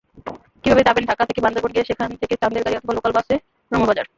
কীভাবে যাবেনঢাকা থেকে বান্দরবান গিয়ে সেখান থেকে চান্দের গাড়ি অথবা লোকাল বাসে রুমাবাজার।